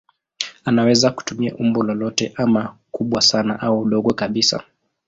Anaweza kutumia umbo lolote ama kubwa sana au dogo kabisa.